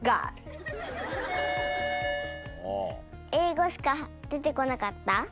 英語しか出てこなかった？